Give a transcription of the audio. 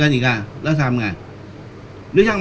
เขาจะช้อคนจะต้องไปกดให้มีการเคลื่อนไหว